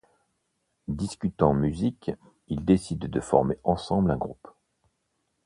Discutant musique, ils décident de former ensemble un groupe.